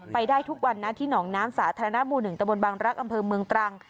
ไปได้ทุกวันนะที่หนองน้ำสาธารณะหมู่๑ตะบนบางรักษ์อำเภอเมืองตรัง